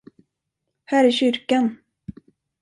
Här i kyrkan!